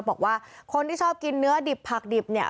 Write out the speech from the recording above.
บอกว่าคนที่ชอบกินเนื้อดิบผักดิบเนี่ย